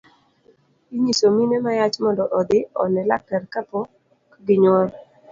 Inyiso mine ma yach mondo odhi one laktar kapok ginyuol.